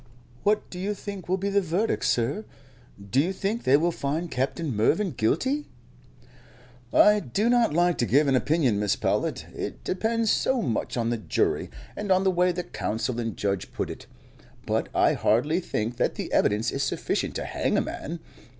"What do you think will be the verdict, sir? Do you think they will find Captain Mervyn guilty?" "I do not like to give an opinion, Mrs. Powlett. It depends so much on the jury, and on the way the counsel and judge put it, but I hardly think that the evidence is sufficient to hang a man.